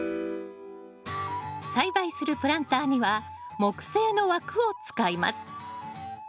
栽培するプランターには木製の枠を使います。